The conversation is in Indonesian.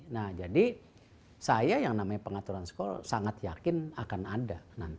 nah jadi saya yang namanya pengaturan skor sangat yakin akan ada